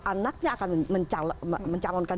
anaknya akan mencalonkan